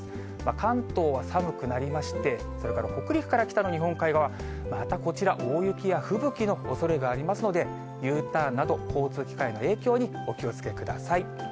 関東は寒くなりまして、それから北陸から北の日本海側、またこちら、大雪や吹雪のおそれがありますので、Ｕターンなど、交通機関への影響にお気をつけください。